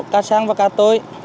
cả sáng và cả tối